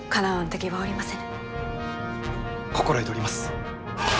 心得ております！